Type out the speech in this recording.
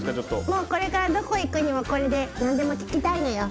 もうこれからどこ行くにもこれで何でも聞きたいのよ。